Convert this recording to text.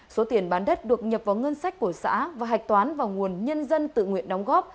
số tiền bán đất được nhập vào ngân sách của xã và hạch toán vào nguồn nhân dân tự nguyện đóng góp